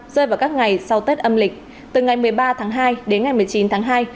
rơi vào các ngày sau tết âm lịch từ ngày một mươi ba tháng hai đến ngày một mươi chín tháng hai